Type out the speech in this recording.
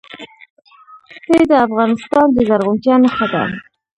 ښتې د افغانستان د زرغونتیا نښه ده.